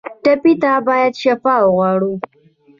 ټپي ته باید شفا وغواړو.